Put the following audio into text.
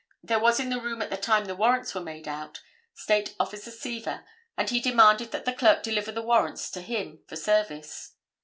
There was in the room at the time the warrants were made out, State Officer Seaver, and he demanded that the clerk deliver the warrants to him for service.